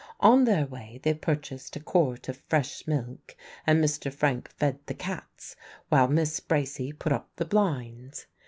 On their way they purchased a quart of fresh milk, and Mr. Frank fed the cats while Miss Bracy put up the blinds.